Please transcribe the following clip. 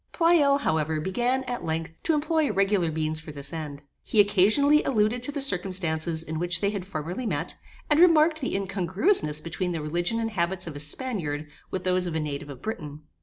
Pleyel, however, began, at length, to employ regular means for this end. He occasionally alluded to the circumstances in which they had formerly met, and remarked the incongruousness between the religion and habits of a Spaniard, with those of a native of Britain.